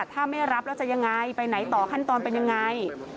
ถ้าไม่รับแล้วจะยังไงไปไหนต่อขั้นตอนเป็นยังไง